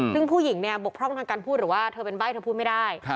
ซึ่งผู้หญิงเนี่ยบกพร่องทางการพูดหรือว่าเธอเป็นใบ้เธอพูดไม่ได้